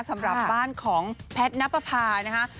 สำหรับบ้านของแพทย์นับประพานะคะ